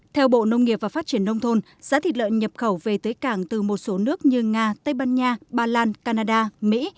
theo bộ nông nghiệp và phát triển nông thôn giá thịt lợn nhập khẩu về tới cảng từ một số nước như nga tây ban nha bà lan canada mỹ